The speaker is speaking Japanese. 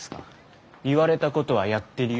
言われたことはやってるよ。